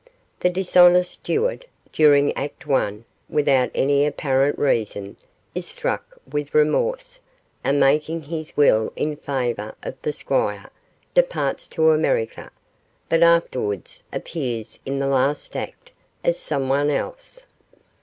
The dishonest steward, during Act I, without any apparent reason, is struck with remorse, and making his will in favour of the Squire, departs to America, but afterwards appears in the last act as someone else.